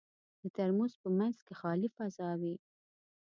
د ترموز په منځ کې خالي فضا وي.